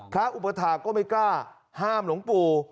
อุปถาก็ไม่กล้าห้ามหลวงปู่